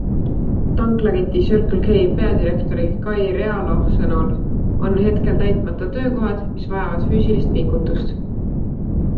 Tanklaketi Circle K peadirektori Kai Realo sõnul on hetkel täitmata töökohad, mis vajavad füüsilist pingutust.